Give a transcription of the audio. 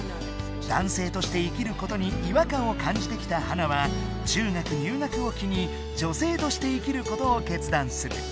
だんせいとして生きることにいわかんを感じてきたハナは中学入学をきにじょせいとして生きることをけつだんする。